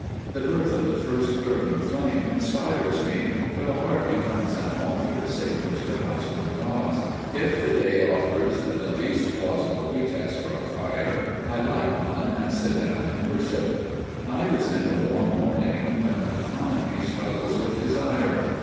The birth of the first curling flame inspires me, for the heart becomes an altar sacred to the household gods. If the day offers the least plausible pretext for a fire, I light one and sit down in worship. I resent a warm morning, when economy struggles with desire.